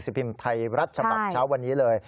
พิมพ์ไทยรัฐฉบับเช้าวันนี้เลย